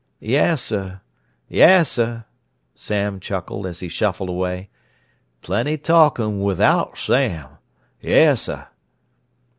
"Yessuh, yessuh," Sam chuckled, as he shuffled away. "Plenty talkin' wivout Sam! Yessuh!"